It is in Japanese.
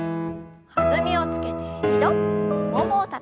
弾みをつけて２度ももをたたいて。